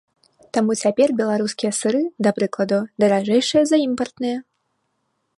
Таму цяпер беларускія сыры, да прыкладу, даражэйшыя за імпартныя.